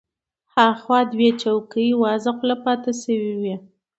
اخوا دوه نورې څوکۍ وازه خوله پاتې شوې وې.